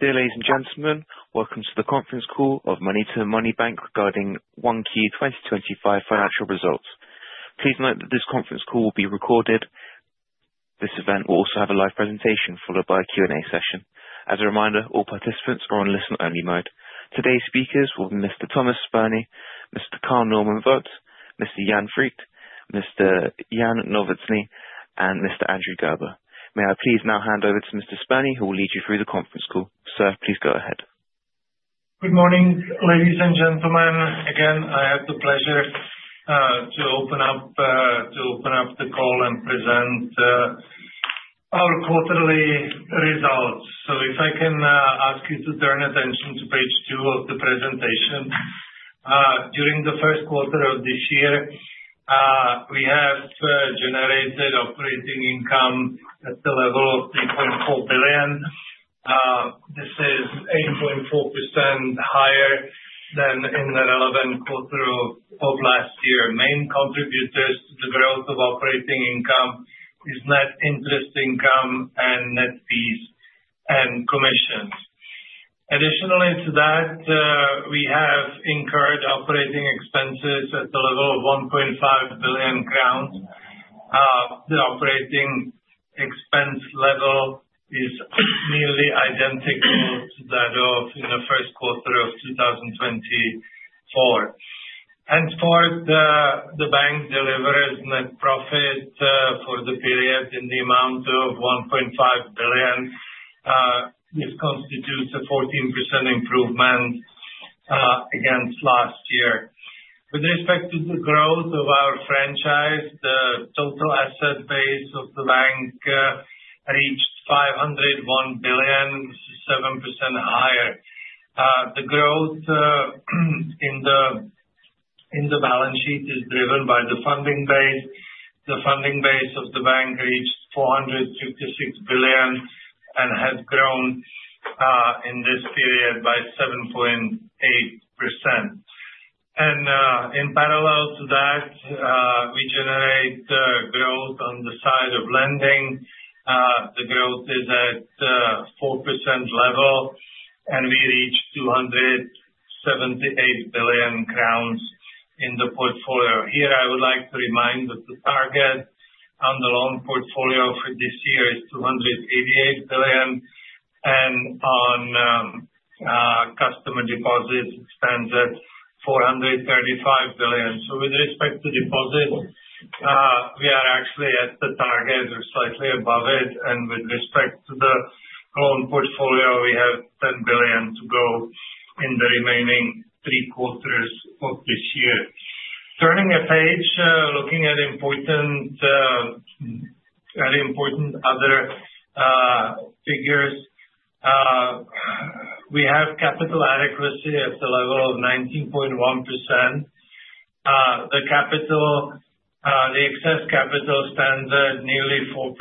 Dear ladies and gentlemen, welcome to the conference call of MONETA Money Bank regarding Q1 2025 financial results. Please note that this conference call will be recorded. This event will also have a live presentation followed by a Q&A session. As a reminder, all participants are on listen-only mode. Today's speakers will be Mr. Tomáš Spurný, Mr. Carl Normann Vökt, Mr. Jan Friček, Mr. Jan Novotný, and Mr. Andrew Gerber. May I please now hand over to Mr. Spurný, who will lead you through the conference call? Sir, please go ahead. Good morning, ladies and gentlemen. Again, I have the pleasure to open up the call and present our quarterly results. If I can ask you to turn attention to page two of the presentation. During the first quarter of this year, we have generated operating income at the level of 3.4 billion. This is 8.4% higher than in the relevant quarter of last year. Main contributors to the growth of operating income are net interest income and net fees and commissions. Additionally to that, we have incurred operating expenses at the level of 1.5 billion crowns. The operating expense level is nearly identical to that of the first quarter of 2024. For the bank, delivered net profit for the period in the amount of 1.5 billion constitutes a 14% improvement against last year. With respect to the growth of our franchise, the total asset base of the bank reached 501 billion, which is 7% higher. The growth in the balance sheet is driven by the funding base. The funding base of the bank reached 456 billion and has grown in this period by 7.8%. In parallel to that, we generate growth on the side of lending. The growth is at a 4% level, and we reached 278 billion crowns in the portfolio. Here, I would like to remind that the target on the loan portfolio for this year is 288 billion, and on customer deposits, it stands at 435 billion. With respect to deposits, we are actually at the target or slightly above it. With respect to the loan portfolio, we have 10 billion to go in the remaining three quarters of this year. Turning a page, looking at important other figures, we have capital adequacy at the level of 19.1%. The excess capital stands at nearly 4%,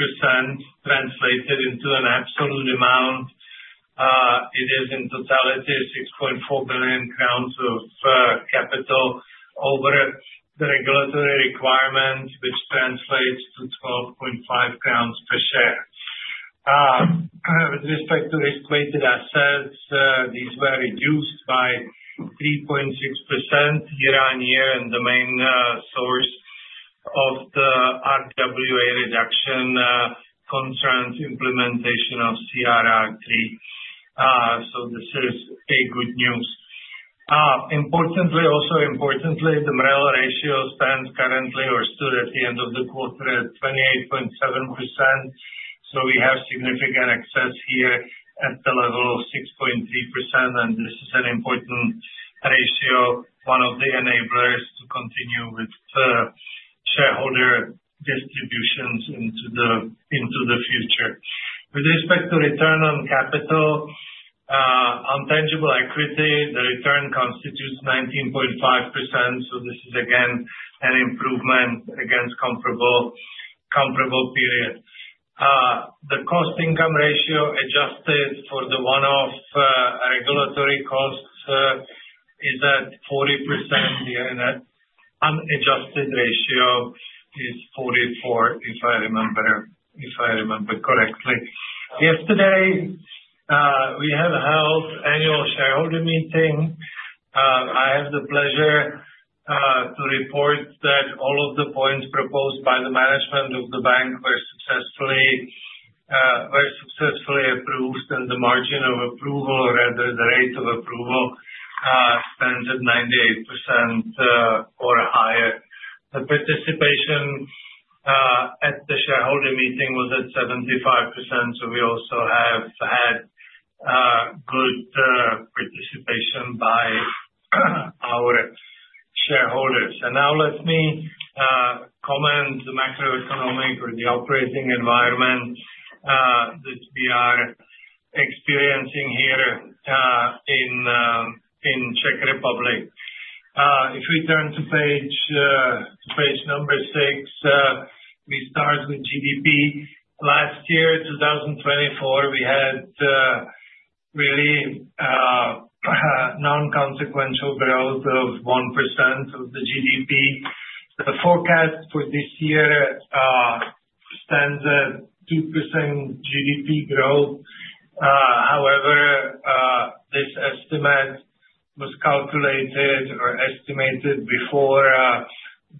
translated into an absolute amount. It is, in totality, 6.4 billion crowns of capital over the regulatory requirement, which translates to CZK 12.5 per share. With respect to risk-weighted assets, these were reduced by 3.6% year-on-year, and the main source of the RWA reduction concerns implementation of CRR3. This is good news. Also, importantly, the MREL ratio stands currently, or stood at the end of the quarter, at 28.7%. We have significant excess here at the level of 6.3%, and this is an important ratio, one of the enablers to continue with shareholder distributions into the future. With respect to return on capital, on tangible equity, the return constitutes 19.5%. This is, again, an improvement against the comparable period. The cost-income ratio, adjusted for the one-off regulatory costs, is at 40%, and the unadjusted ratio is 44%, if I remember correctly. Yesterday, we held an annual shareholder meeting. I have the pleasure to report that all of the points proposed by the management of the bank were successfully approved, and the margin of approval, or rather the rate of approval, stands at 98% or higher. The participation at the shareholder meeting was at 75%, so we also have had good participation by our shareholders. Now let me comment on the macroeconomic or the operating environment that we are experiencing here in the Czech Republic. If we turn to page number six, we start with GDP. Last year, 2024, we had really non-consequential growth of 1% of the GDP. The forecast for this year stands at 2% GDP growth. However, this estimate was calculated or estimated before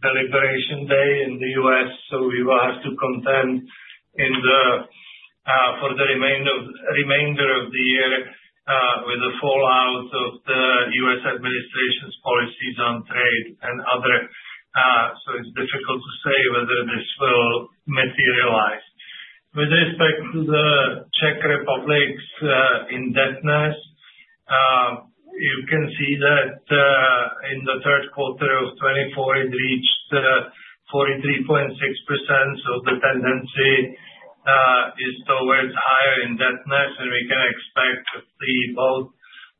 the Election Day in the U.S., so we will have to contend for the remainder of the year with the fallout of the U.S. administration's policies on trade and other. It's difficult to say whether this will materialize. With respect to the Czech Republic's indebtedness, you can see that in the third quarter of 2024, it reached 43.6%. The tendency is towards higher indebtedness, and we can expect to see both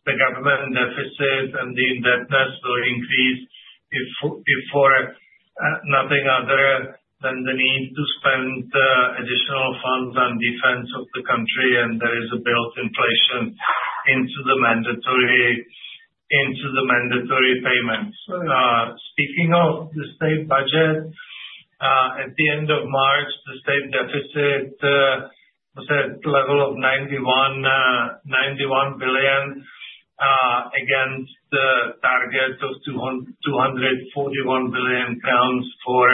the government deficit and the indebtedness will increase for nothing other than the need to spend additional funds on defense of the country, and there is a built inflation into the mandatory payments. Speaking of the state budget, at the end of March, the state deficit was at the level of 91 billion against the target of 241 billion crowns for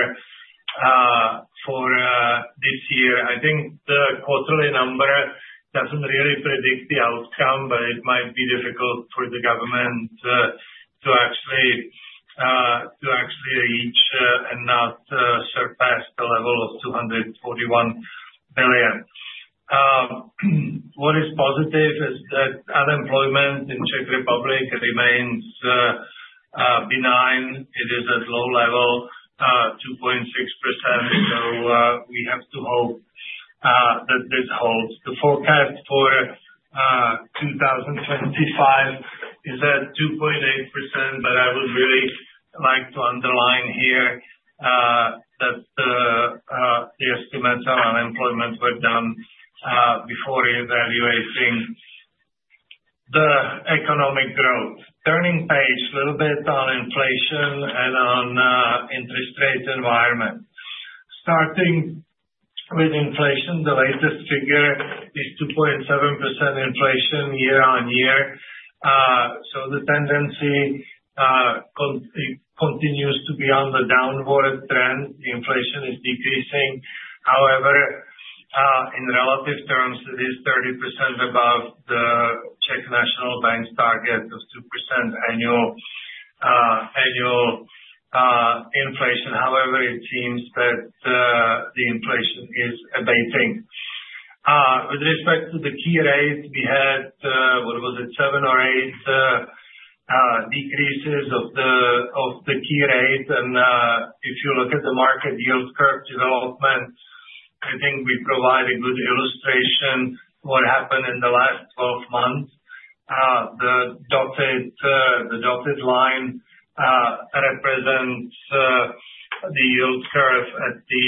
this year. I think the quarterly number doesn't really predict the outcome, but it might be difficult for the government to actually reach and not surpass the level of 241 billion. What is positive is that unemployment in the Czech Republic remains benign. It is at a low level, 2.6%, so we have to hope that this holds. The forecast for 2025 is at 2.8%, but I would really like to underline here that the estimates on unemployment were done before evaluating the economic growth. Turning a page a little bit on inflation and on the interest rate environment. Starting with inflation, the latest figure is 2.7% inflation year-on-year. The tendency continues to be on the downward trend. The inflation is decreasing. However, in relative terms, it is 30% above the Czech National Bank's target of 2% annual inflation. However, it seems that the inflation is abating. With respect to the key rate, we had, what was it, seven or eight decreases of the key rate. If you look at the market yield curve development, I think we provide a good illustration of what happened in the last 12 months. The dotted line represents the yield curve at the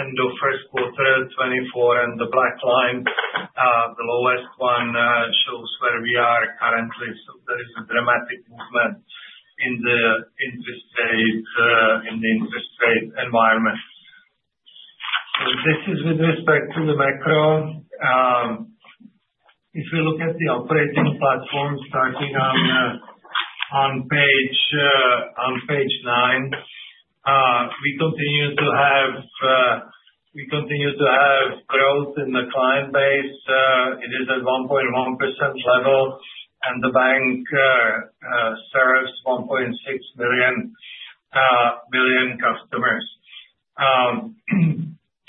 end of the first quarter of 2024, and the black line, the lowest one, shows where we are currently. There is a dramatic movement in the interest rate environment. This is with respect to the macro. If we look at the operating platform, starting on page nine, we continue to have growth in the client base. It is at a 1.1% level, and the bank serves 1.6 million customers.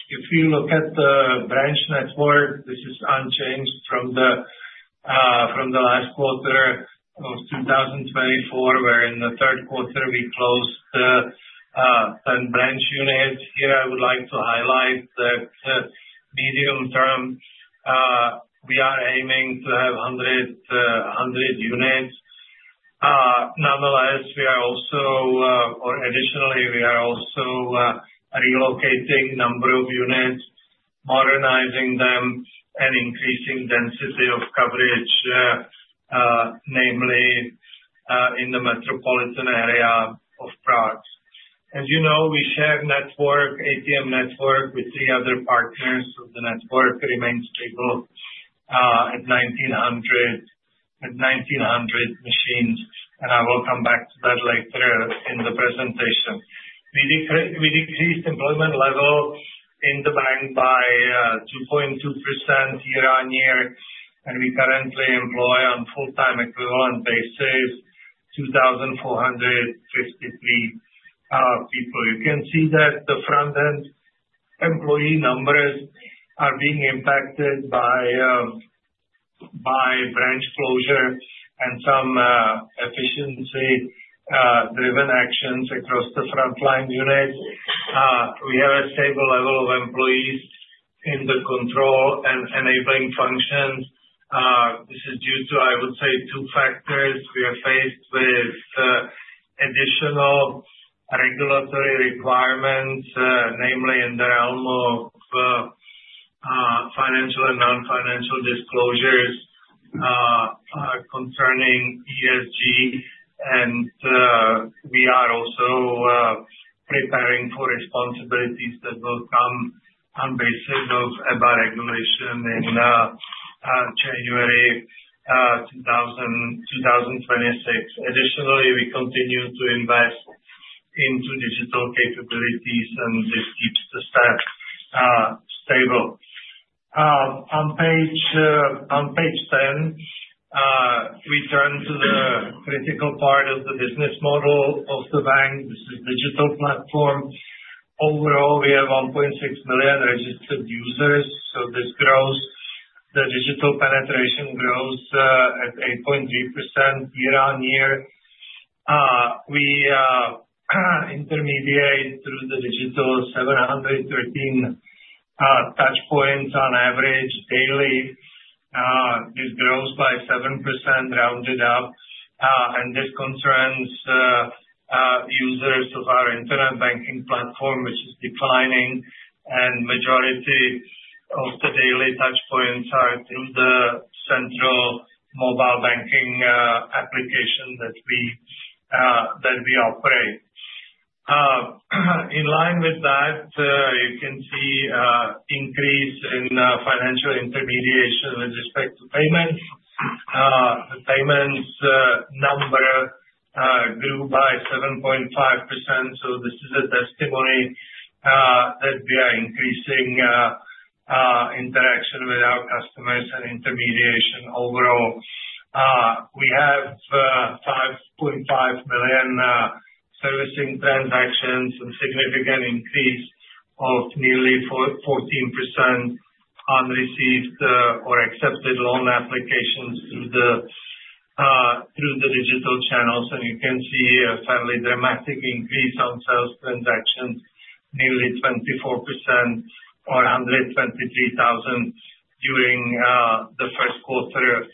If you look at the branch network, this is unchanged from the last quarter of 2024, where in the third quarter, we closed 10 branch units. Here, I would like to highlight that medium term, we are aiming to have 100 units. Nonetheless, we are also, or additionally, we are also relocating a number of units, modernizing them, and increasing the density of coverage, namely in the metropolitan area of Prague. As you know, we share network, ATM network, with three other partners, so the network remains stable at 1,900 machines, and I will come back to that later in the presentation. We decreased the employment level in the bank by 2.2% year-on-year, and we currently employ on a full-time equivalent basis 2,453 people. You can see that the front-end employee numbers are being impacted by branch closure and some efficiency-driven actions across the frontline unit. We have a stable level of employees in the control and enabling functions. This is due to, I would say, two factors. We are faced with additional regulatory requirements, namely in the realm of financial and non-financial disclosures concerning ESG, and we are also preparing for responsibilities that will come on the basis of EBA regulation in January 2026. Additionally, we continue to invest into digital capabilities, and this keeps the staff stable. On page 10, we turn to the critical part of the business model of the bank. This is the digital platform. Overall, we have 1.6 million registered users, so this grows. The digital penetration grows at 8.3% year-on-year. We intermediate through the digital 713 touchpoints on average daily. This grows by 7% rounded up, and this concerns users of our internet banking platform, which is declining, and the majority of the daily touchpoints are through the central mobile banking application that we operate. In line with that, you can see an increase in financial intermediation with respect to payments. The payments number grew by 7.5%, so this is a testimony that we are increasing interaction with our customers and intermediation overall. We have 5.5 million servicing transactions, a significant increase of nearly 14% on received or accepted loan applications through the digital channels. You can see a fairly dramatic increase on sales transactions, nearly 24%, or 123,000 during the first quarter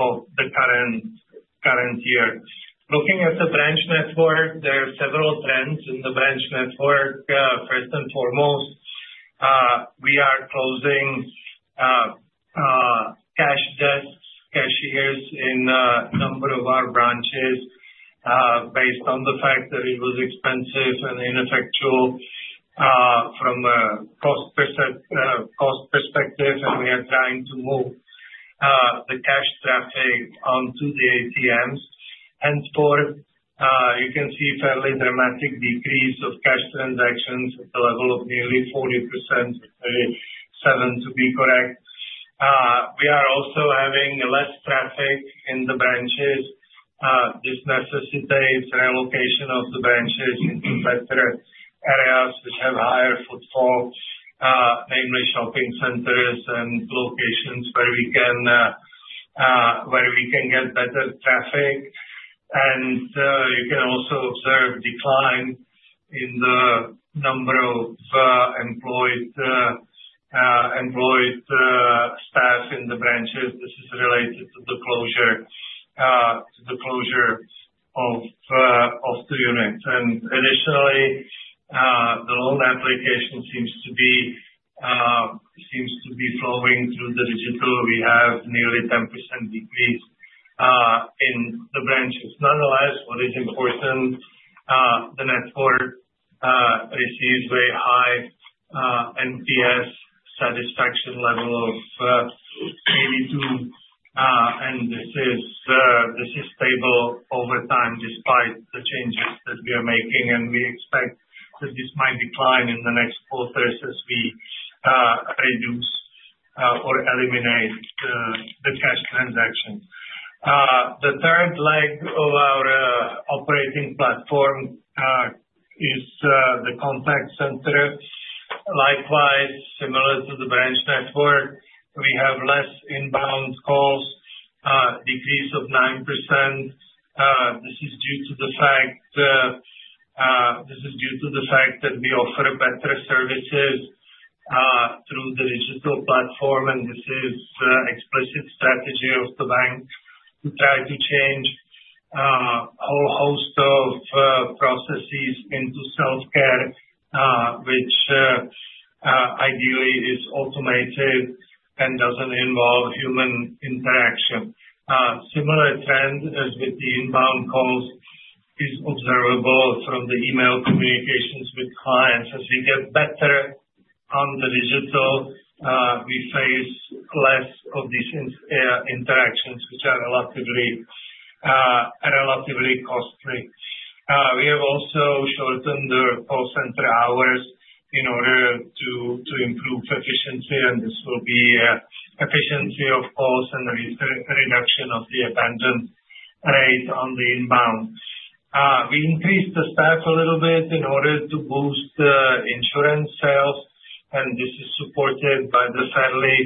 of the current year. Looking at the branch network, there are several trends in the branch network. First and foremost, we are closing cash desks, cashiers in a number of our branches based on the fact that it was expensive and ineffectual from a cost perspective, and we are trying to move the cash traffic onto the ATMs. Henceforth, you can see a fairly dramatic decrease of cash transactions at the level of nearly 40%, or 37% to be correct. We are also having less traffic in the branches. This necessitates relocation of the branches into better areas which have higher footfall, namely shopping centers and locations where we can get better traffic. You can also observe a decline in the number of employed staff in the branches. This is related to the closure of the units. Additionally, the loan application seems to be flowing through the digital. We have nearly a 10% decrease in the branches. Nonetheless, what is important, the network receives a very high NPS satisfaction level of 82, and this is stable over time despite the changes that we are making. We expect that this might decline in the next quarters as we reduce or eliminate the cash transactions. The third leg of our operating platform is the contact center. Likewise, similar to the branch network, we have less inbound calls, a decrease of 9%. This is due to the fact that we offer better services through the digital platform, and this is an explicit strategy of the bank to try to change a whole host of processes into self-care, which ideally is automated and does not involve human interaction. A similar trend as with the inbound calls is observable from the email communications with clients. As we get better on the digital, we face less of these interactions, which are relatively costly. We have also shortened our call center hours in order to improve efficiency, and this will be efficiency of calls and a reduction of the abandoned rate on the inbound. We increased the staff a little bit in order to boost insurance sales, and this is supported by the fairly,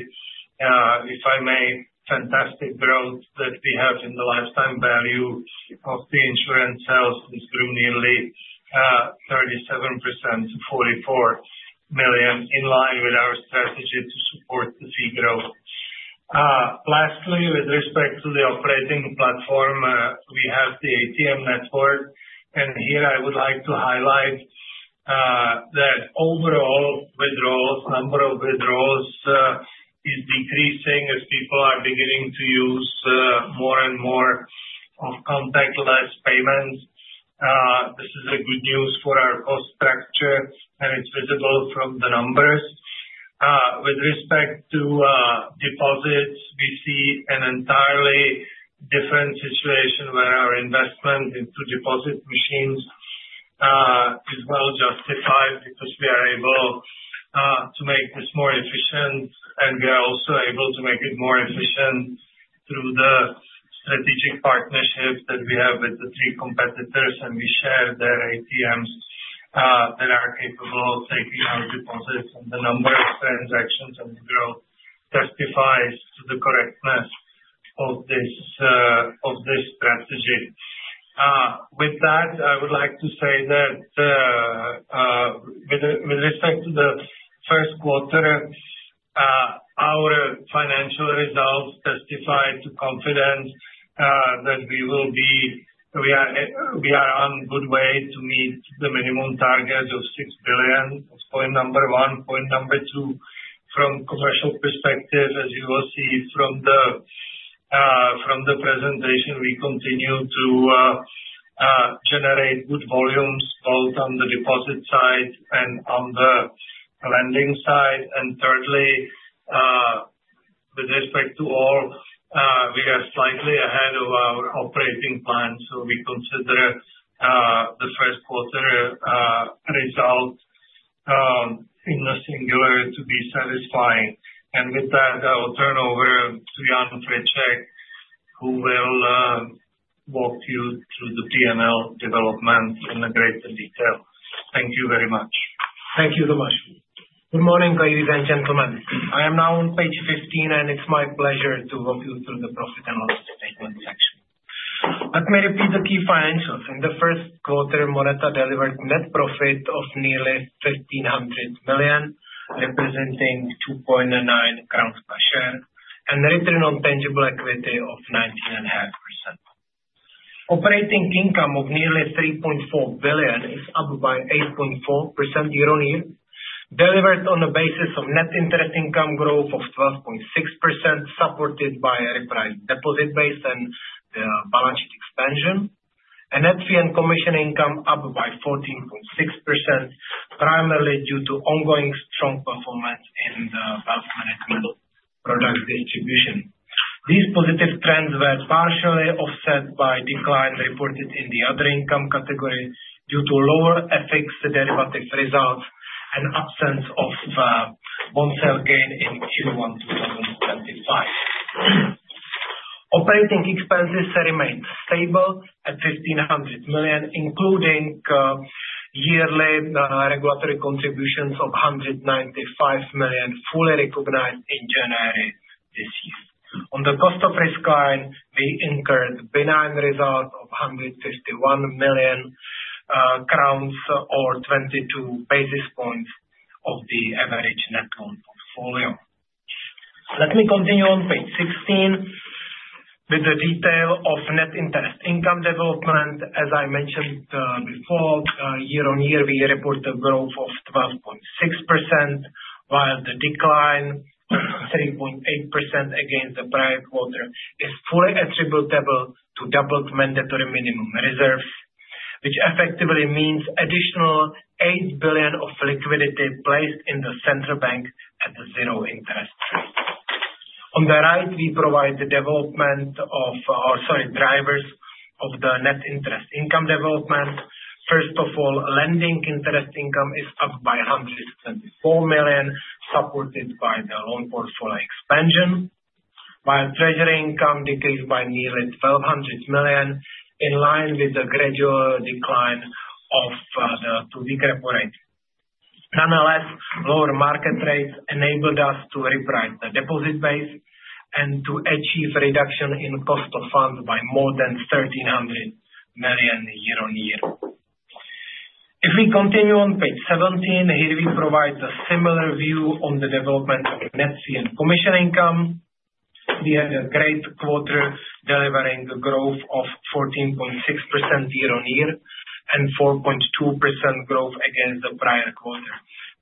if I may, fantastic growth that we have in the lifetime value of the insurance sales. This grew nearly 37% to 44 million, in line with our strategy to support the fee growth. Lastly, with respect to the operating platform, we have the ATM network, and here I would like to highlight that overall withdrawals, the number of withdrawals is decreasing as people are beginning to use more and more of contactless payments. This is good news for our cost structure, and it's visible from the numbers. With respect to deposits, we see an entirely different situation where our investment into deposit machines is well justified because we are able to make this more efficient, and we are also able to make it more efficient through the strategic partnership that we have with the three competitors, and we share their ATMs that are capable of taking our deposits, and the number of transactions and the growth testifies to the correctness of this strategy. With that, I would like to say that with respect to the first quarter, our financial results testify to confidence that we are on a good way to meet the minimum target of 6 billion. That is point number one. Point number two, from a commercial perspective, as you will see from the presentation, we continue to generate good volumes both on the deposit side and on the lending side. Thirdly, with respect to all, we are slightly ahead of our operating plan, so we consider the first quarter results in the singular to be satisfying. With that, I will turn over to Jan Friček, who will walk you through the P&L development in greater detail. Thank you very much. Thank you so much. Good morning, ladies and gentlemen. I am now on page 15, and it's my pleasure to walk you through the profit and loss statement section. Let me repeat the key financials. In the first quarter, MONETA delivered net profit of nearly 1,500 million, representing 2.9 crowns per share, and a return on tangible equity of 19.5%. Operating income of nearly 3.4 billion is up by 8.4% year-on-year, delivered on the basis of net interest income growth of 12.6%, supported by a repriced deposit base and balance sheet expansion. Net fee and commission income up by 14.6%, primarily due to ongoing strong performance in the wealth management product distribution. These positive trends were partially offset by decline reported in the other income category due to lower FX derivative results and absence of bond sale gain in Q1 2025. Operating expenses remained stable at 1,500 million, including yearly regulatory contributions of 195 million fully recognized in January this year. On the cost of risk line, we incurred a benign result of 151 million crowns, or 22 basis points of the average net loan portfolio. Let me continue on page 16 with the detail of net interest income development. As I mentioned before, year-on-year, we reported growth of 12.6%, while the decline of 3.8% against the PRIBOR quarter is fully attributable to doubled mandatory minimum reserves, which effectively means an additional 8 billion of liquidity placed in the central bank at the zero interest rate. On the right, we provide the development of, or sorry, drivers of the net interest income development. First of all, lending interest income is up by 174 million, supported by the loan portfolio expansion, while treasury income decreased by nearly 1,200 million, in line with the gradual decline of the two-week repo rate. Nonetheless, lower market rates enabled us to reprice the deposit base and to achieve a reduction in cost of funds by more than 1,300 million year-on-year. If we continue on page 17, here we provide a similar view on the development of net fee and commission income. We had a great quarter, delivering a growth of 14.6% year-on-year and 4.2% growth against the prior quarter.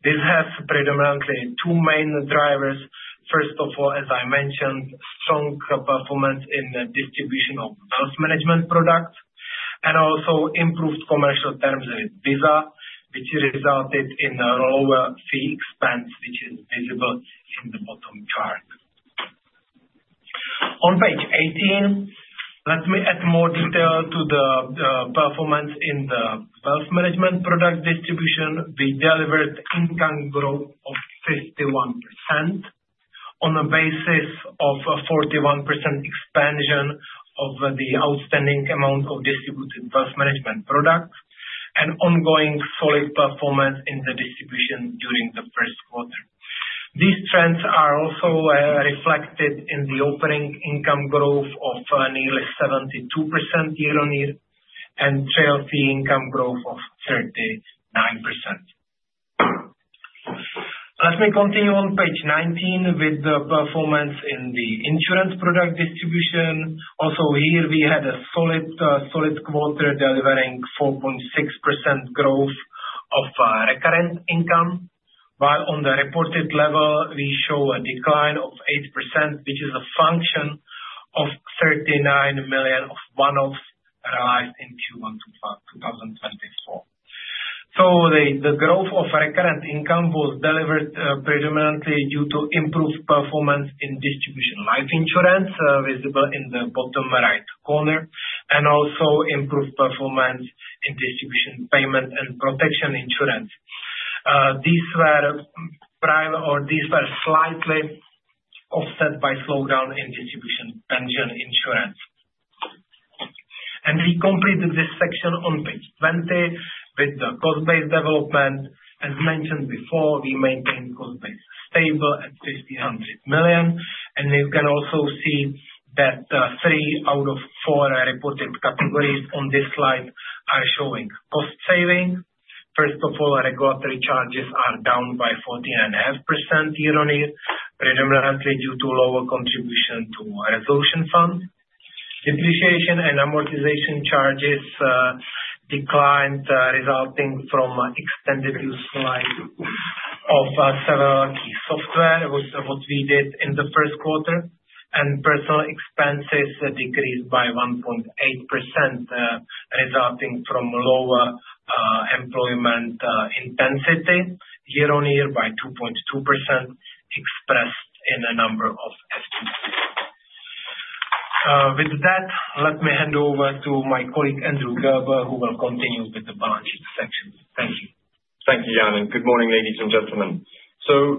This has predominantly two main drivers. First of all, as I mentioned, strong performance in the distribution of wealth management products and also improved commercial terms with Visa, which resulted in a rollover fee expense, which is visible in the bottom chart. On page 18, let me add more detail to the performance in the wealth management product distribution. We delivered income growth of 51% on a basis of a 41% expansion of the outstanding amount of distributed wealth management products and ongoing solid performance in the distribution during the first quarter. These trends are also reflected in the operating income growth of nearly 72% year-on-year and trail fee income growth of 39%. Let me continue on page 19 with the performance in the insurance product distribution. Also here, we had a solid quarter, delivering 4.6% growth of recurrent income, while on the reported level, we show a decline of 8%, which is a function of 39 million of one-offs realized in Q1 2024. The growth of recurrent income was delivered predominantly due to improved performance in distribution life insurance, visible in the bottom right corner, and also improved performance in distribution payment and protection insurance. These were slightly offset by slowdown in distribution pension insurance. We completed this section on page 20 with the cost-based development. As mentioned before, we maintained cost base stable at 1,500 million, and you can also see that three out of four reported categories on this slide are showing cost savings. First of all, regulatory charges are down by 14.5% year-on-year, predominantly due to lower contribution to resolution funds. Depreciation and amortization charges declined, resulting from extended use of several key software, which is what we did in the first quarter, and personnel expenses decreased by 1.8%, resulting from lower employment intensity year-on-year by 2.2%, expressed in a number of FTEs. With that, let me hand over to my colleague, Andrew Gerber, who will continue with the balance sheet section. Thank you. Thank you, Jan. Good morning, ladies and gentlemen.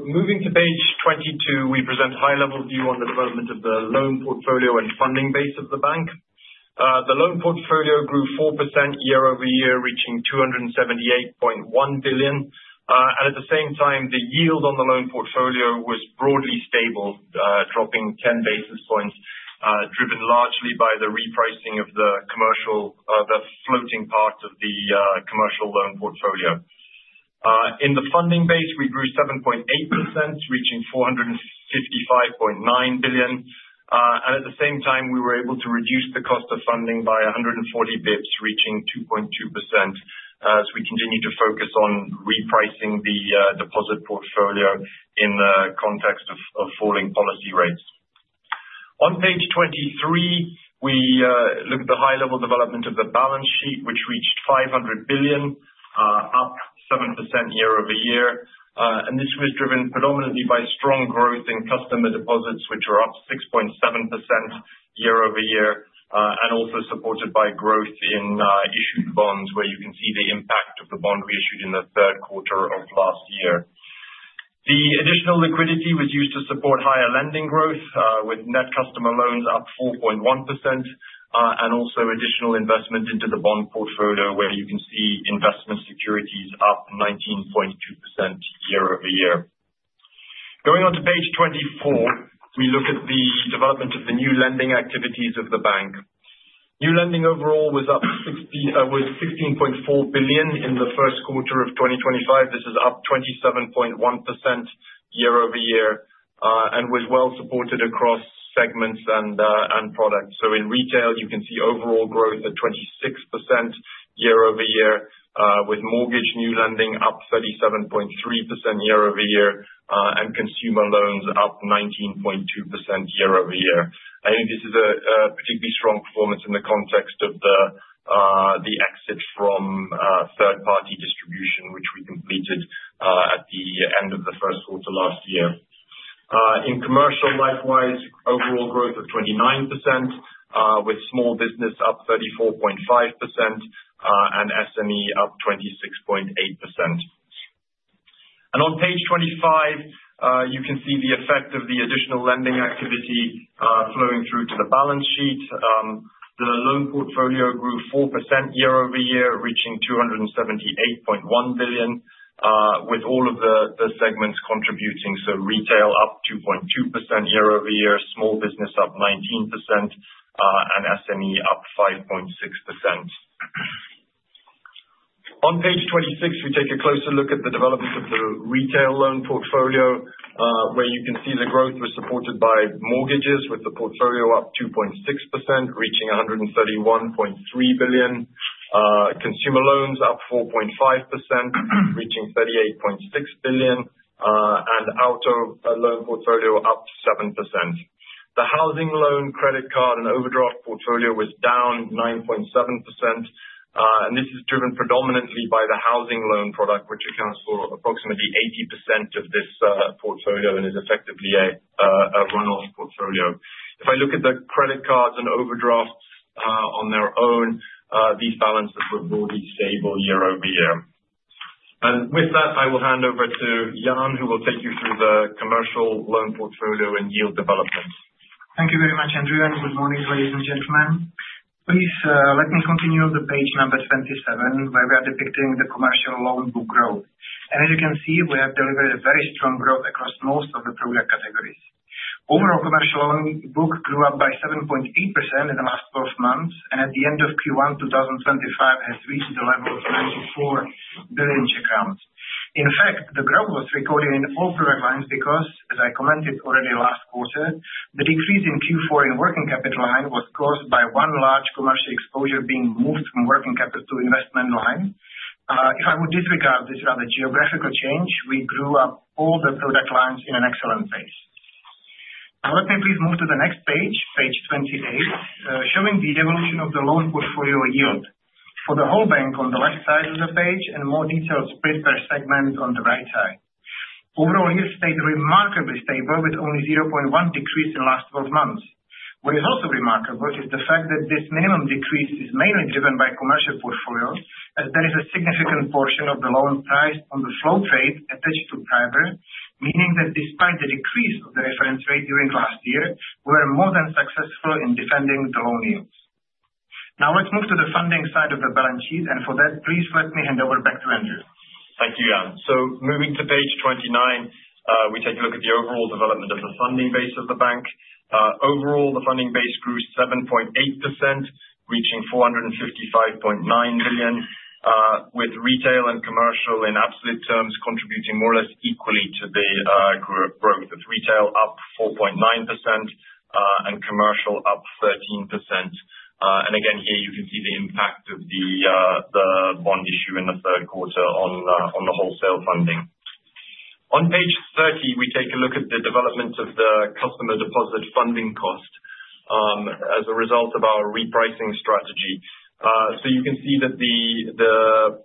Moving to page 22, we present a high-level view on the development of the loan portfolio and funding base of the bank. The loan portfolio grew 4% year-over-year, reaching 278.1 billion. At the same time, the yield on the loan portfolio was broadly stable, dropping 10 basis points, driven largely by the repricing of the floating part of the commercial loan portfolio. In the funding base, we grew 7.8%, reaching 455.9 billion. At the same time, we were able to reduce the cost of funding by 140 basis points, reaching 2.2% as we continue to focus on repricing the deposit portfolio in the context of falling policy rates. On page 23, we look at the high-level development of the balance sheet, which reached 500 billion, up 7% year-over-year. This was driven predominantly by strong growth in customer deposits, which were up 6.7% year-over-year, and also supported by growth in issued bonds, where you can see the impact of the bond we issued in the third quarter of last year. The additional liquidity was used to support higher lending growth, with net customer loans up 4.1%, and also additional investment into the bond portfolio, where you can see investment securities up 19.2% year-over-year. Going on to page 24, we look at the development of the new lending activities of the bank. New lending overall was up 16.4 billion in the first quarter of 2025. This is up 27.1% year-over-year and was well supported across segments and products. In retail, you can see overall growth at 26% year-over-year, with mortgage new lending up 37.3% year-over-year and consumer loans up 19.2% year-over-year. I think this is a particularly strong performance in the context of the exit from third-party distribution, which we completed at the end of the first quarter last year. In commercial, likewise, overall growth of 29%, with small business up 34.5% and SME up 26.8%. On page 25, you can see the effect of the additional lending activity flowing through to the balance sheet. The loan portfolio grew 4% year-over-year, reaching 278.1 billion, with all of the segments contributing. Retail up 2.2% year-over-year, small business up 19%, and SME up 5.6%. On page 26, we take a closer look at the development of the retail loan portfolio, where you can see the growth was supported by mortgages, with the portfolio up 2.6%, reaching 131.3 billion. Consumer loans up 4.5%, reaching 38.6 billion, and auto loan portfolio up 7%. The housing loan, credit card, and overdraft portfolio was down 9.7%. This is driven predominantly by the housing loan product, which accounts for approximately 80% of this portfolio and is effectively a runoff portfolio. If I look at the credit cards and overdrafts on their own, these balances were broadly stable year-over-year. With that, I will hand over to Jan, who will take you through the commercial loan portfolio and yield development. Thank you very much, Andrew. Good morning, ladies and gentlemen. Please let me continue on to page number 27, where we are depicting the commercial loan book growth. As you can see, we have delivered very strong growth across most of the product categories. Overall, the commercial loan book grew by 7.8% in the last 12 months, and at the end of Q1 2025, has reached the level of 94 billion. In fact, the growth was recorded in all product lines because, as I commented already last quarter, the decrease in Q4 in the working capital line was caused by one large commercial exposure being moved from working capital to the investment line. If I would disregard this rather geographical change, we grew all the product lines in an excellent phase. Now, let me please move to the next page, page 28, showing the evolution of the loan portfolio yield. For the whole bank on the left side of the page and a more detailed split per segment on the right side. Overall, yields stayed remarkably stable, with only a 0.1 decrease in the last 12 months. What is also remarkable is the fact that this minimum decrease is mainly driven by the commercial portfolio, as there is a significant portion of the loan price on the float rate attached to PRIBOR, meaning that despite the decrease of the reference rate during last year, we were more than successful in defending the loan yields. Now, let's move to the funding side of the balance sheet. For that, please let me hand over back to Andrew. Thank you, Jan. Moving to page 29, we take a look at the overall development of the funding base of the bank. Overall, the funding base grew 7.8%, reaching 455.9 billion, with retail and commercial in absolute terms contributing more or less equally to the growth, with retail up 4.9% and commercial up 13%. Again, here you can see the impact of the bond issue in the third quarter on the wholesale funding. On page 30, we take a look at the development of the customer deposit funding cost as a result of our repricing strategy. You can see that the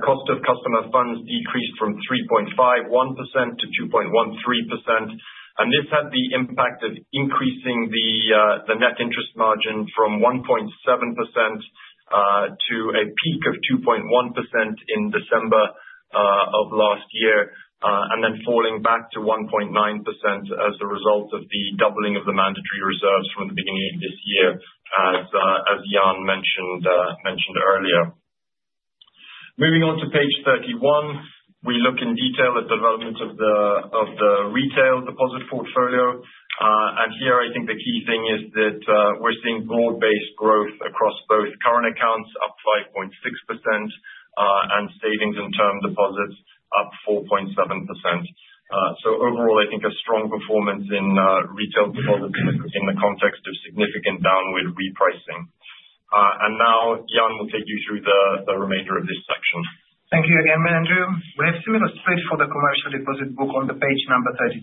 cost of customer funds decreased from 3.51% to 2.13%. This had the impact of increasing the net interest margin from 1.7% to a peak of 2.1% in December of last year, and then falling back to 1.9% as a result of the doubling of the mandatory reserves from the beginning of this year, as Jan mentioned earlier. Moving on to page 31, we look in detail at the development of the retail deposit portfolio. I think the key thing is that we're seeing broad-based growth across both current accounts, up 5.6%, and savings and term deposits, up 4.7%. Overall, I think a strong performance in retail deposits in the context of significant downward repricing. Jan will take you through the remainder of this section. Thank you again, Andrew. We have similar split for the commercial deposit book on page number 32.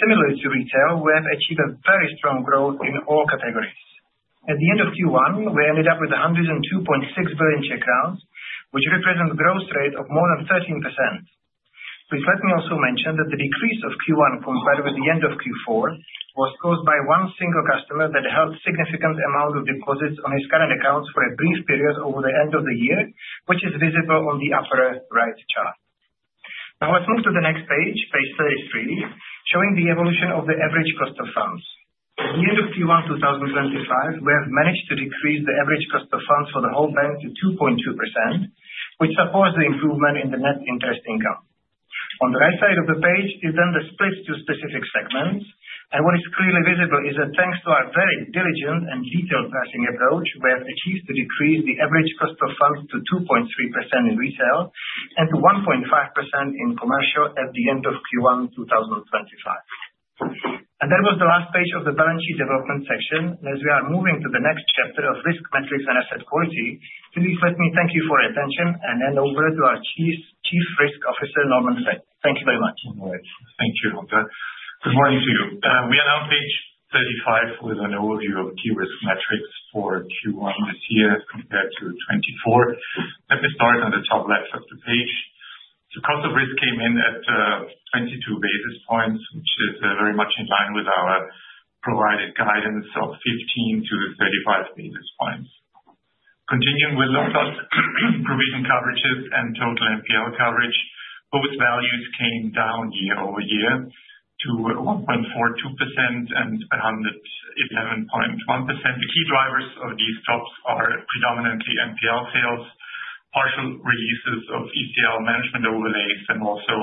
Similarly to retail, we have achieved very strong growth in all categories. At the end of Q1, we ended up with 102.6 billion Czech crowns, which represents a growth rate of more than 13%. Please let me also mention that the decrease of Q1 compared with the end of Q4 was caused by one single customer that held a significant amount of deposits on his current accounts for a brief period over the end of the year, which is visible on the upper right chart. Now, let's move to the next page, page 33, showing the evolution of the average cost of funds. At the end of Q1 2025, we have managed to decrease the average cost of funds for the whole bank to 2.2%, which supports the improvement in the net interest income. On the right side of the page is then the split to specific segments. What is clearly visible is that thanks to our very diligent and detailed pricing approach, we have achieved to decrease the average cost of funds to 2.3% in retail and to 1.5% in commercial at the end of Q1 2025. That was the last page of the balance sheet development section. As we are moving to the next chapter of risk metrics and asset quality, please let me thank you for your attention and hand over to our Chief Risk Officer, Normann Vökt. Thank you very much. Thank you, Jan. Good morning to you. We are now page 35 with an overview of key risk metrics for Q1 this year compared to 2024. Let me start on the top left of the page. The cost of risk came in at 22 basis points, which is very much in line with our provided guidance of 15-35 basis points. Continuing with locked-up provision coverages and total NPL coverage, both values came down year-over-year to 1.42% and 111.1%. The key drivers of these drops are predominantly NPL sales, partial releases of ECL management overlays, and also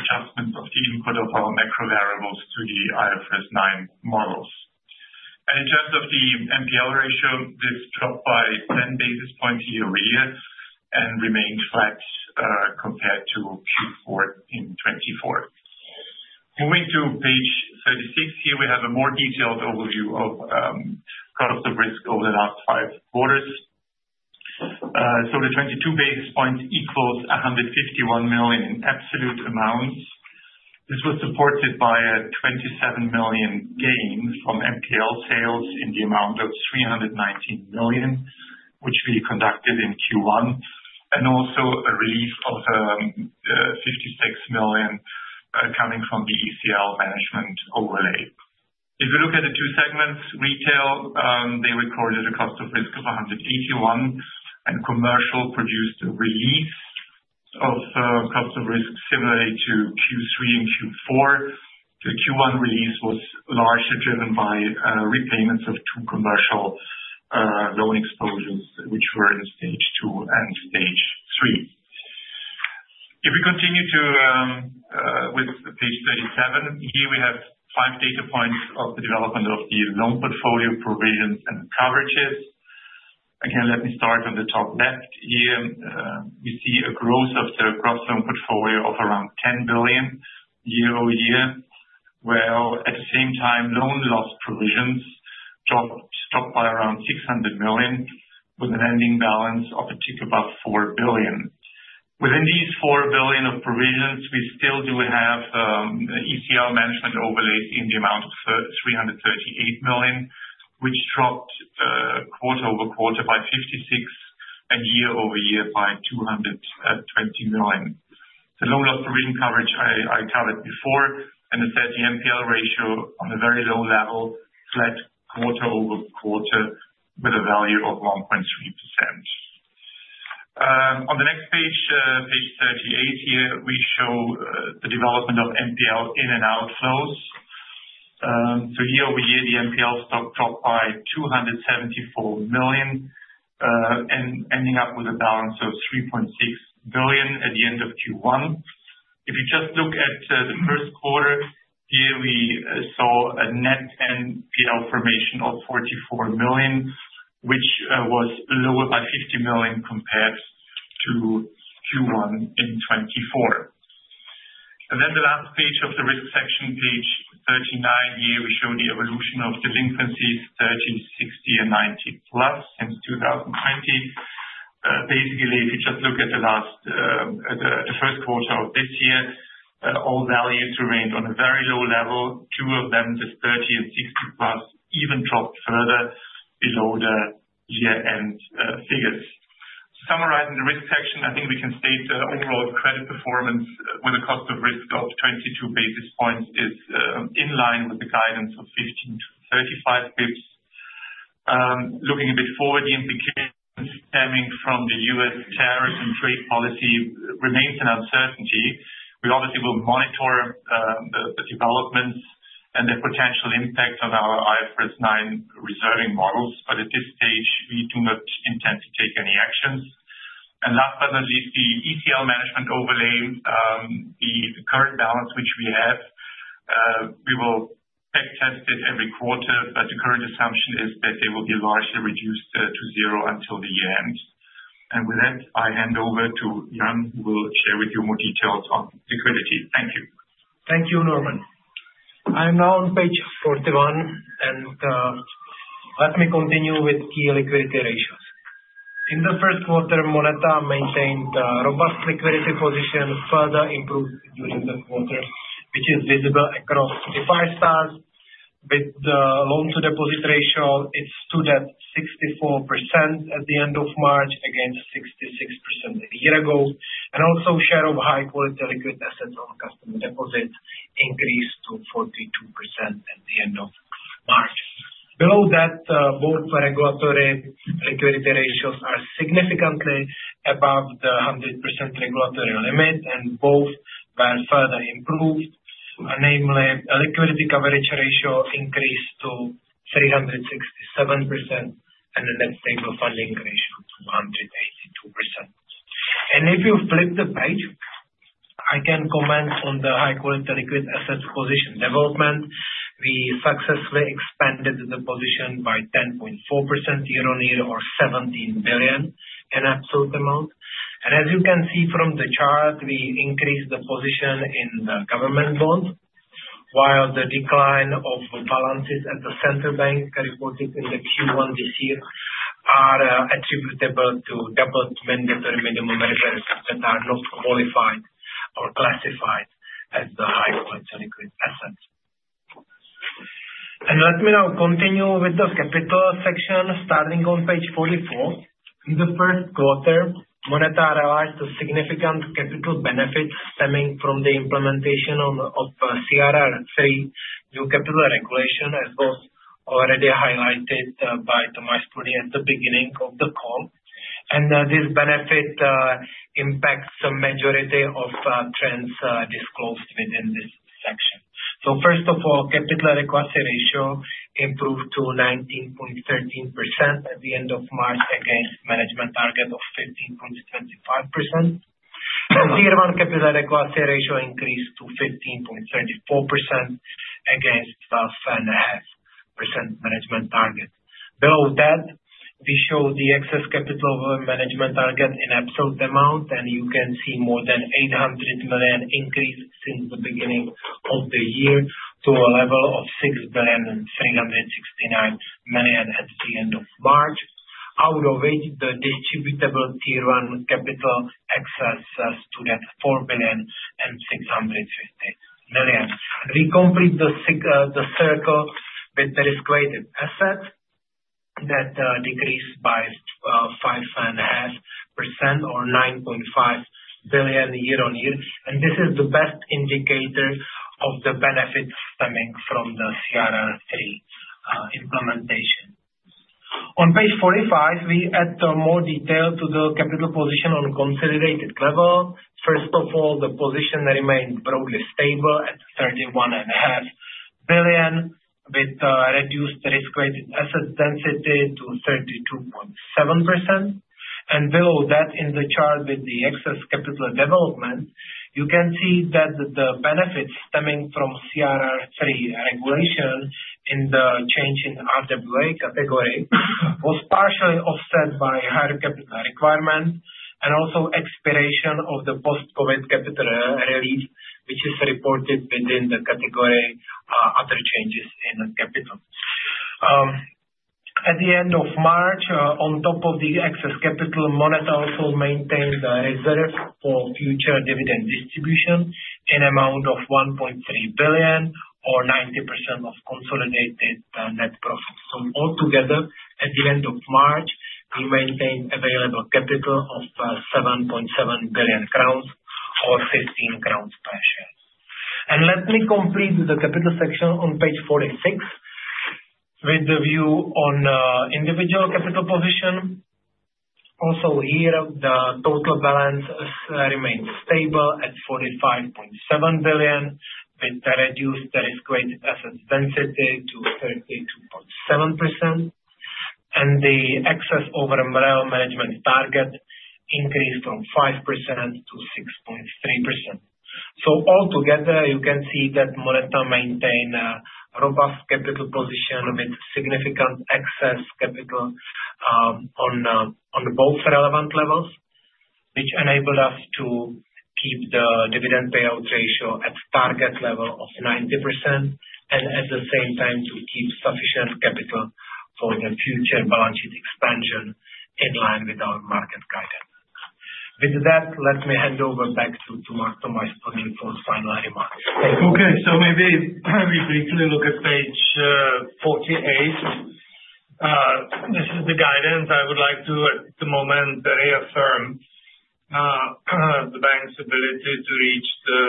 adjustments of the input of our macro variables to the IFRS 9 models. In terms of the NPL ratio, this dropped by 10 basis points year-over-year and remained flat compared to Q4 in 2024. Moving to page 36, here we have a more detailed overview of cost of risk over the last five quarters. The 22 basis points equals 151 million in absolute amounts. This was supported by a 27 million gain from NPL sales in the amount of 319 million, which we conducted in Q1, and also a relief of 56 million coming from the ECL management overlay. If we look at the two segments, retail, they recorded a cost of risk of 181 million, and commercial produced a release of cost of risk similarly to Q3 and Q4. The Q1 release was largely driven by repayments of two commercial loan exposures, which were in stage two and stage three. If we continue with page 37, here we have five data points of the development of the loan portfolio provisions and coverages. Again, let me start on the top left. Here we see a growth of the gross loan portfolio of around CZK 10 billion year-over-year, while at the same time, loan loss provisions dropped by around 600 million, with a lending balance of a tick above 4 billion. Within these 4 billion of provisions, we still do have ECL management overlays in the amount of 338 million, which dropped quarter over quarter by 56 million and year-over-year by 220 million. The loan loss provision coverage I covered before, and the 30 NPL ratio on a very low level, flat quarter over quarter with a value of 1.3%. On the next page, page 38, here we show the development of NPL in and outflows. Year-over-year, the NPL stock dropped by 274 million, ending up with a balance of 3.6 billion at the end of Q1. If you just look at the first quarter, here we saw a net NPL formation of 44 million, which was lower by 50 million compared to Q1 in 2024. The last page of the risk section, page 39, shows the evolution of delinquencies 30, 60, and 90 plus since 2020. Basically, if you just look at the first quarter of this year, all values remained on a very low level. Two of them, the 30 and 60 plus, even dropped further below the year-end figures. Summarizing the risk section, I think we can state the overall credit performance with a cost of risk of 22 basis points is in line with the guidance of 15-35 basis points. Looking a bit forward, the implications stemming from the U.S. tariff and trade policy remain an uncertainty. We obviously will monitor the developments and their potential impact on our IFRS 9 reserving models, but at this stage, we do not intend to take any actions. Last but not least, the ECL management overlay, the current balance which we have, we will backtest it every quarter, but the current assumption is that they will be largely reduced to zero until the end. With that, I hand over to Jan, who will share with you more details on liquidity. Thank you. Thank you, Norman. I am now on page 41, and let me continue with key liquidity ratios. In the first quarter, MONETA Money Bank maintained robust liquidity position, further improved during the quarter, which is visible across the five stars. With the loan-to-deposit ratio, it stood at 64% at the end of March against 66% a year ago. The share of high-quality liquid assets on customer deposits increased to 42% at the end of March. Below that, both regulatory liquidity ratios are significantly above the 100% regulatory limit, and both were further improved, namely a liquidity coverage ratio increased to 367% and a net stable funding ratio to 182%. If you flip the page, I can comment on the high-quality liquid asset position development. We successfully expanded the position by 10.4% year-on-year or 17 billion in absolute amount. As you can see from the chart, we increased the position in the government bond, while the decline of balances at the central bank reported in Q1 this year are attributable to double mandatory minimum reserves that are not qualified or classified as the high-quality liquid assets. Let me now continue with the capital section. Starting on page 44, in the first quarter, MONETA Money Bank realized a significant capital benefit stemming from the implementation of CRR3 due to capital regulation, as was already highlighted by Tomáš Spurný at the beginning of the call. This benefit impacts the majority of trends disclosed within this section. First of all, capital equity ratio improved to 19.13% at the end of March against management target of 15.25%. Tier one capital equity ratio increased to 15.34% against 12.5% management target. Below that, we show the excess capital management target in absolute amount, and you can see more than 800 million increase since the beginning of the year to a level of 6,369 million at the end of March, out of which the distributable tier one capital excess stood at 4,650 million. We complete the circle with the risk-weighted asset that decreased by 5.5% or 9.5 billion year-on-year. This is the best indicator of the benefit stemming from the CRR3 implementation. On page 45, we add more detail to the capital position on a consolidated level. First of all, the position remained broadly stable at 31.5 billion with reduced risk-weighted asset density to 32.7%. Below that, in the chart with the excess capital development, you can see that the benefit stemming from CRR3 regulation in the change in RWA category was partially offset by higher capital requirement and also expiration of the post-COVID capital relief, which is reported within the category other changes in capital. At the end of March, on top of the excess capital, MONETA Money Bank also maintained a reserve for future dividend distribution in the amount of 1.3 billion or 90% of consolidated net profit. Altogether, at the end of March, we maintained available capital of 7.7 billion crowns or 15 crowns per share. Let me complete the capital section on page 46 with the view on individual capital position. Also here, the total balance remained stable at 45.7 billion with reduced risk-weighted asset density to 32.7%. The excess overall management target increased from 5% to 6.3%. Altogether, you can see that MONETA maintained a robust capital position with significant excess capital on both relevant levels, which enabled us to keep the dividend payout ratio at target level of 90% and at the same time to keep sufficient capital for the future balance sheet expansion in line with our market guidance. With that, let me hand over back to Tomáš Spurný for final remarks. Okay. Maybe we briefly look at page 48. This is the guidance I would like to, at the moment, reaffirm the bank's ability to reach the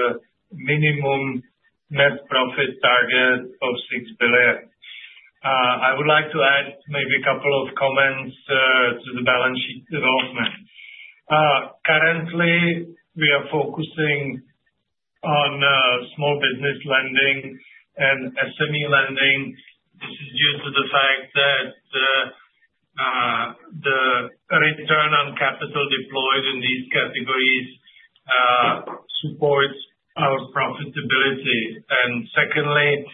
minimum net profit target of 6 billion. I would like to add maybe a couple of comments to the balance sheet development. Currently, we are focusing on small business lending and SME lending. This is due to the fact that the return on capital deployed in these categories supports our profitability. Secondly,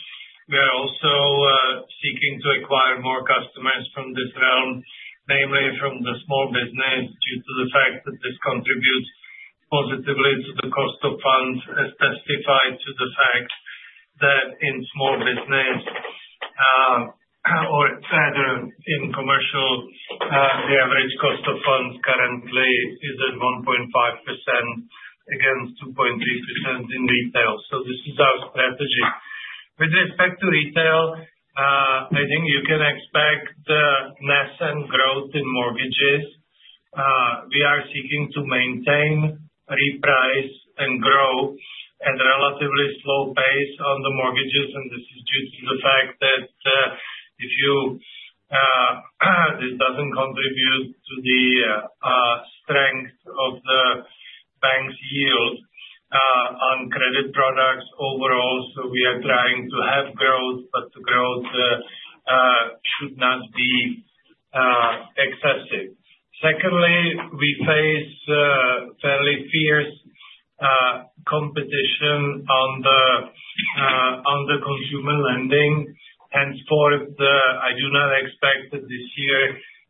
we are also seeking to acquire more customers from this realm, namely from the small business, due to the fact that this contributes positively to the cost of funds, as testified to the fact that in small business, or rather in commercial, the average cost of funds currently is at 1.5% against 2.3% in retail. This is our strategy. With respect to retail, I think you can expect nascent growth in mortgages. We are seeking to maintain, reprice, and grow at a relatively slow pace on the mortgages, and this is due to the fact that if you this doesn't contribute to the strength of the bank's yield on credit products overall, so we are trying to have growth, but the growth should not be excessive. Secondly, we face fairly fierce competition on the consumer lending. Henceforth, I do not expect that this year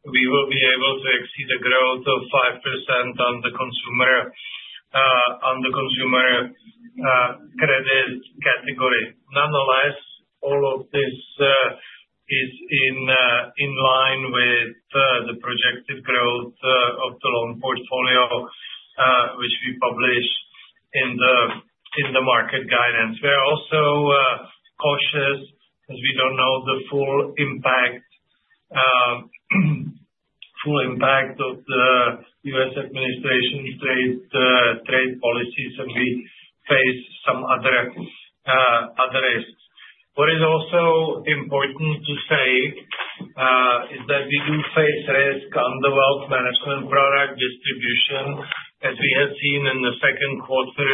we will be able to exceed a growth of 5% on the consumer credit category. Nonetheless, all of this is in line with the projected growth of the loan portfolio, which we publish in the market guidance. We are also cautious as we don't know the full impact of the U.S. administration's trade policies, and we face some other risks. What is also important to say is that we do face risk on the wealth management product distribution, as we have seen in the second quarter,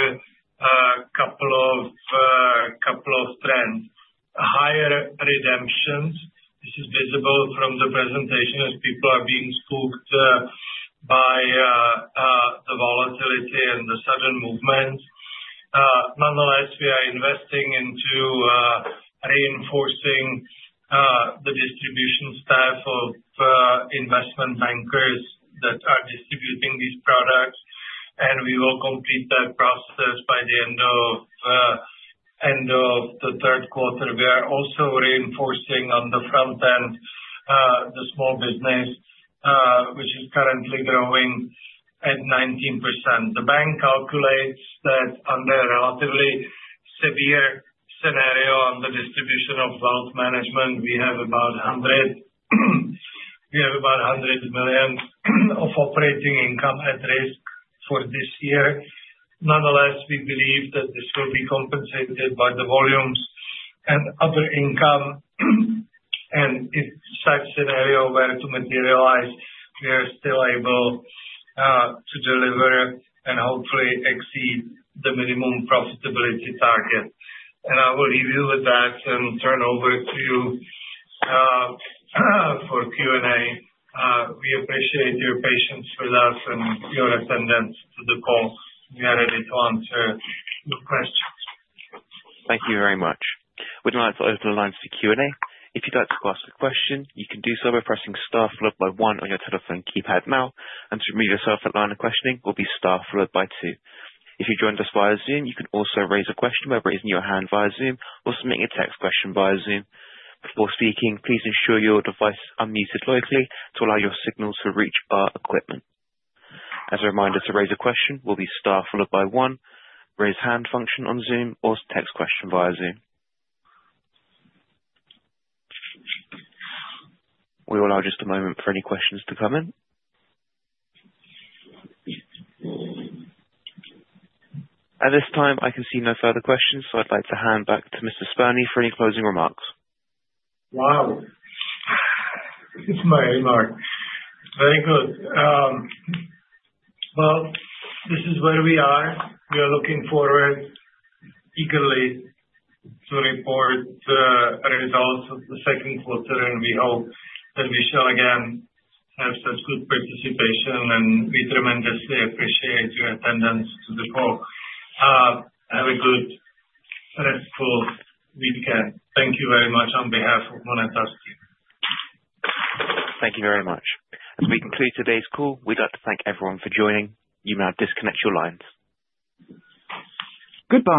a couple of trends. Higher redemptions, this is visible from the presentation as people are being spooked by the volatility and the sudden movements. Nonetheless, we are investing into reinforcing the distribution staff of investment bankers that are distributing these products, and we will complete that process by the end of the third quarter. We are also reinforcing on the front end the small business, which is currently growing at 19%. The bank calculates that under a relatively severe scenario on the distribution of wealth management, we have about 100 million of operating income at risk for this year. Nonetheless, we believe that this will be compensated by the volumes and other income. If such scenario were to materialize, we are still able to deliver and hopefully exceed the minimum profitability target. I will leave you with that and turn over to you for Q&A. We appreciate your patience with us and your attendance to the call. We are ready to answer your questions. Thank you very much. We'd now like to open the lines for Q&A. If you'd like to ask a question, you can do so by pressing Star followed by 1 on your telephone keypad now, and to remove yourself from the line of questioning, it will be Star followed by 2. If you've joined us via Zoom, you can also raise a question by raising your hand via Zoom or submitting a text question via Zoom. Before speaking, please ensure your device is unmuted locally to allow your signal to reach our equipment. As a reminder, to raise a question, we'll be Star followed by 1, raise hand function on Zoom, or text question via Zoom. We will allow just a moment for any questions to come in. At this time, I can see no further questions, so I'd like to hand back to Mr. Spurný for any closing remarks. Wow. It's my remark. Very good. This is where we are. We are looking forward eagerly to report the results of the second quarter, and we hope that we shall again have such good participation, and we tremendously appreciate your attendance to the call. Have a good restful weekend. Thank you very much on behalf of MONETA's team. Thank you very much. As we conclude today's call, we'd like to thank everyone for joining. You may now disconnect your lines. Good.